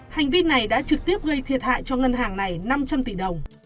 hành vi này đã trực tiếp gây thiệt hại cho ngân hàng này năm trăm linh tỷ đồng